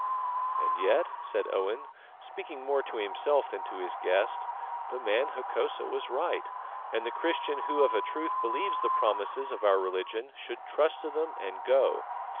"And yet," said Owen, speaking more to himself than to his guest, "the man Hokosa was right, and the Christian who of a truth believes the promises of our religion should trust to them and go."